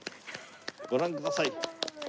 ご覧ください。